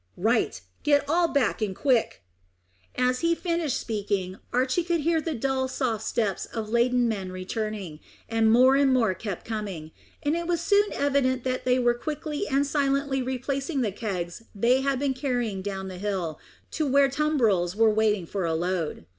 "Right! Get all back in quick!" As he finished speaking, Archy could hear the dull, soft steps of laden men returning, and more and more kept coming, and it was soon evident that they were quickly and silently replacing the kegs they had been carrying down hill to where tumbrils were waiting for a load.